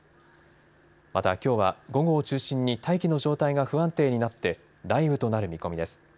またきょうは午後を中心に大気の状態が不安定になって雷雨となる見込みです。